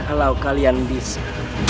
kalau kalian bisa